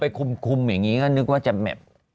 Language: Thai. คุมอย่างนี้ก็นึกว่าจะแบบ